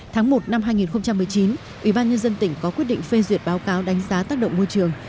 tháng một năm hai nghìn một mươi chín ubnd tỉnh có quyết định phê duyệt báo cáo đánh giá tác động môi trường